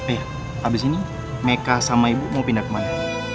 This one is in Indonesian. eh abis ini meka sama ibu mau pindah kemana